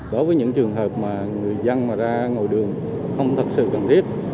đối với những trường hợp mà người dân mà ra ngồi đường không thật sự cần thiết